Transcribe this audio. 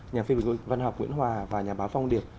nhà phê văn học nguyễn hòa và nhà báo phong điệp